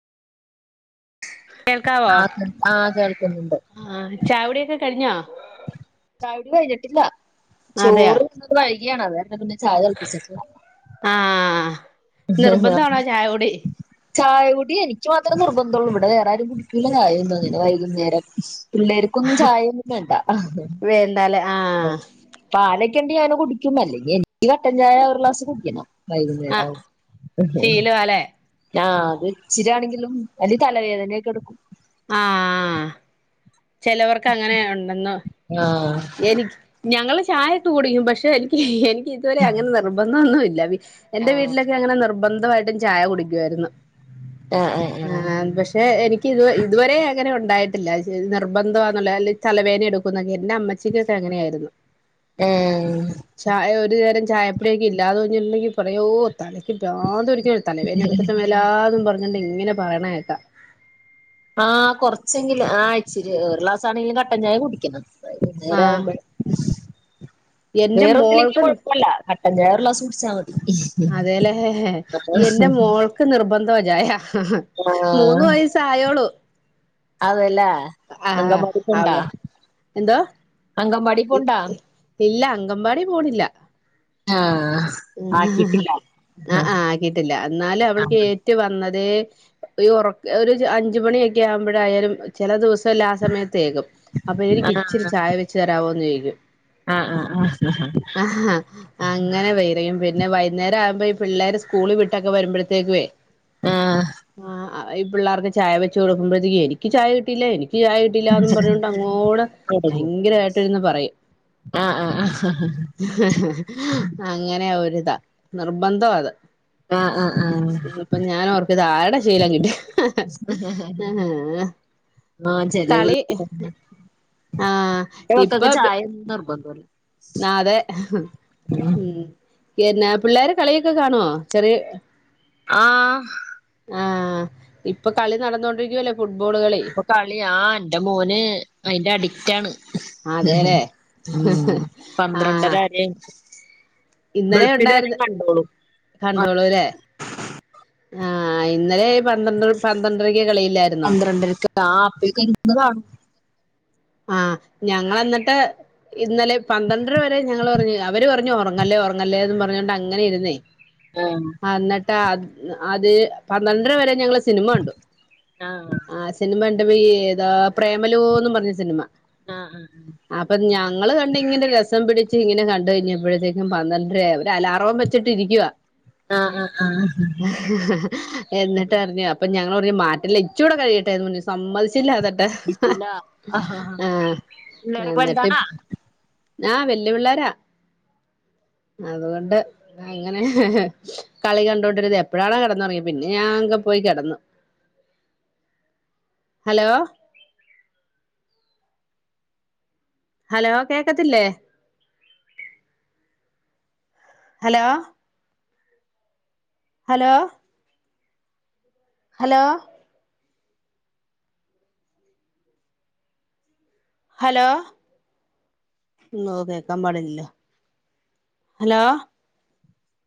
കേൾക്കാവോ ആഹ് ആഹ് കേൾക്കുന്നുണ്ട് ആഹ് ചാവുടിയൊക്കെ കഴിഞ്ഞോ? ചായുടി കഴിഞ്ഞിട്ടില്ലാ അതെയോ ചോറ് [unintelligible] വയ്കിയണ് അതേണ്ട് പിന്നെ ചായതൾപിച്ചിട്ടില്ല നിർബന്ധാണേ ചായകുടി ചായകുടി എനിക്ക് മാത്രം നിർബന്തള്ളു ഇവിടെ വേറാരും കുടിക്കൂല ചായൊന്നോങ്ങനെ വൈകുന്നേരം പിള്ളേർക്കൊന്നും ചായൊന്നും വേണ്ട. വേണ്ടാലേ ആഹ് പാലൊ ക്കെണ്ടെങ്കി അങ്ങനെ കുടിക്കും അല്ലെങ്കി എനിക്ക് കട്ടൻ ചായ ഒരു ഗ്ലാസ് കുടിക്കണം വൈകുന്നേരാവുമ്പൊ ശീലൊവാലേ ആഹ് അത് ഇച്ചിരിയാണെങ്കിലും അല്ലേ തലവേദനയൊക്കെ എടുക്കും ആഹ്. ചെലവർക്ക് അങ്ങനെ ഉണ്ടെന്നോ ആഹ് എനിക്ക് ഞങ്ങള് ചായൊക്കെ കുടിക്കും പക്ഷേ എനിക്ക് എനിക്ക് ഇതുവരെ അങ്ങനെ നിർബന്ധോന്നുല്ല. എൻ്റെ ആഹ് വീട്ടിലെക്കെ, അങ്ങനെ നിർബന്ധമായിട്ടും ചായ കുടിക്കുായിരുന്നു. ആഹ് ആഹ് ആ.. ആഹ് പക്ഷെ എനിക്ക് ഇത് ഇതുവരെ അങ്ങനെ ഉണ്ട ഉണ്ടായിട്ടില്ല നിർബന്ധമാന്നവലി തലവേദന, എടുക്കും എന്നാ. കെച്ചിലെട്ടെ.. അങ്ങനെയായിരുന്നു. ആഹ് ചായ ഒര്- ഒരുനേരം ചായപ്പെടിക്കെ ഇല്ലാഞിട്ടുണ്ടെങ്കിൽ പറയേ.. തലയ്ക്ക് പ്രാന്ത്ടിക്ണ തലവേതന എടുത്തിട്ടും വല്ലാതും പറഞ്ഞിണ്ട് ഇങ്ങനെ പറയണേക്കാ ആഹ്.. കൊറച്ചെങ്കിലും. ആ.. ഇച്ചിരി, ഒരു ക്ലാസ് ആണെങ്കിലും കട്ടൻ ചായ കുടിക്കണം. വൈകുന്നേരം ആഹ് ആകുമ്പേഴേ എന്റെ വേറെ മോൾക്ക് ഒന്നുല്ലെങ്കിലും കൊഴപ്പയില്ല കട്ടൻ ചായ ഒരു ഗ്ലാസ്സ് കുടിച്ചാ മതി. അതേല്ലേ എന്റെ മോൾക്ക് നിർബന്ധമാ ചായ മൂന്ന് ആഹ് വയസ്സായോളു അതെല്ലേ ആഹ് അങ്കൻവാടി അവ പോണ്ടാ എന്തോ? അങ്കൻവാടി പോണ്ടാ [unintelligible] ഇല്ല അംഗൻവാടി പോണില്ല ആഹ് ആക്കിട്ടില്ല ആഹ് ആഹ് കിട്ടില്ല എന്നാലും അവൾക്ക് ആഹ് ഏറ്റു വന്നതെ അയ്യോ ഒറക്ക് ഒരു അഞ്ച് മണിയൊക്കെ ആവുമ്പഴായാലും ചെല ദിവസം ല്ല ആ സമയത്തേക്കും അപ്പൊ എനിക്ക് ആഹ് ഇച്ചിരി ചായ വെച്ച് തരാവോന്ന് ചോയിക്കും ആഹ് ആഹ് അങ്ങനെ [unintelligible] പിന്നെ വൈന്നേരം ആകുമ്പോ ഈ പിള്ളേര് സ്കൂള് വിട്ടൊക്കെ വരുമ്പഴത്തേക്കുവേ ആഹ് ആഹ് ആ ഈ പിള്ളേർക്ക് ചായ വെച്ച് കൊടുക്കുമ്പഴത്തേക്ക് എനിക്ക് ചായ കിട്ടിയില്ല എനിക്ക് ക്ക് ചായ കിട്ടീല്ലാന്നും പറഞ്ഞോണ്ട് അങ്ങോട് തൊടങ്ങി ഭയങ്കരായിട്ട് ഇരുന്ന് പറയും ആഹ് ആഹ് ആഹ് അങ്ങനെയൊരിതാ നിർബന്ധാ അത് ആഹ് ആഹ് ഇത് ഇപ്പൊ ഞാൻ ഓർക്കും ഇത് ആരുടെ ശീലം കിട്ടിയാ ആഹ് ചെലേ കളി പിള്ളേ ആഹ് [unintelligible] ചായയൊന്നും നിർബന്ധ് ന്നാതെ ഉം എന്നാ പിള്ളേര് കളിയൊക്കെ കാണുവോ ചെറിയ ആഹ് ആഹ് ഇപ്പൊ കളി നടന്നോണ്ടിരിക്കുവല്ലേ ഫുട് ഇപ്പൊ കളി ആഹ് ഇന്റെ മോന് അയിന്റെ അഡിക്റ്റാണ് അതെല്ലേ ഉം ആഹ് പന്ത്രണ്ടര വരെ ഇന്നലെ വെളുപ്പിന് വരെ ഒണ്ടായിരുന്ന് കണ്ടോളും കണ്ടോളുല്ലേ ആഹ് ഇന്നലെ പന്ത്രണ്ട് പന്ത്രണ്ടരക്ക് കളില്ലായിരുന്നോ പന്ത്രണ്ടരക്ക് ആ അപ്പഴേക്ക് ഇരുന്ന് കാണും ആഹ് ഞങ്ങളെന്നിട്ട് ഇന്നലെ പന്ത്രണ്ടര വരെ ഞങ്ങള് പറഞ്ഞു അവര് പറഞ്ഞു ഉറങ്ങല്ലേ ഉറങ്ങല്ലേന്ന് പറഞ്ഞോണ്ട് അങ്ങനെ ഇരുന്നേ ആഹ് എന്നിട്ട് അത് പന്ത്രണ്ടര വരെ ഞങ്ങള് സിനിമ കണ്ടു ആഹ് ആ സിനിമ കണ്ടത് ഏതാ പ്രേമലൂ എന്ന് പറഞ്ഞ മ ആഹ് അപ്പൊ ഞങ്ങള് കണ്ട ഇങ്ങനെ രസ സം പിടിച്ച് ഇങ്ങനെ കണ്ട് കഴിഞ്ഞപ്പോഴത്തേക്കും പന്ത്രണ്ടര ആയി അലാറം വെച്ചിട്ടിരിക്കുവാ ആഹ് ആഹ് ആഹ് ആഹ് ആഹ് എന്നിട്ട് അറിഞ്ഞോ അപ്പൊ ഞ ഞങ്ങള് പറഞ്ഞു മാറ്റല്ലേ ഇച്ചൂടെ കഴിയട്ടെ സമ്മതിച്ചില്ലാന്ന്ട്ട് ആഹ് പിള്ളേരൊക്കെ എന്നിട്ട് വലുതാണാ പ്പ് ആ വല്ല്യ പിള്ളോരാ അതുകൊണ്ട് അങ്ങനെ കളി കണ്ടോണ്ടിരുന്ന് എപ്പോഴാണ് കിടന്നുങ്ങിയത് പിന്നെ ഞാൻ പോയി കിടന്നു ഹലോ ഹലോ കേക്കത്തില്ലേ hello hello hello hello no കേക്കാൻ പാടില്ലല്ലോ ഹലോ